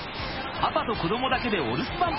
パパと子どもだけでお留守番。